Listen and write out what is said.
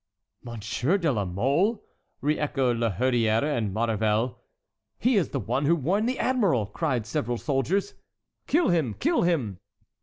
"Monsieur de la Mole!" reëchoed La Hurière and Maurevel. "He is the one who warned the admiral!" cried several soldiers. "Kill him—kill him!"